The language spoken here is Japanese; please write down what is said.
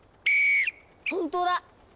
本当だ。